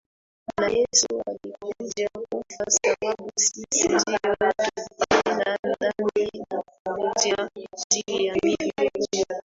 na Yesu alikuja kufa sababu sisi ndio tulitenda dhambi na kuvunja zile Amri kumi